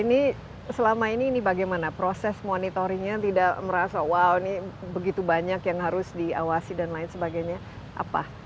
ini selama ini ini bagaimana proses monitoringnya tidak merasa wow ini begitu banyak yang harus diawasi dan lain sebagainya apa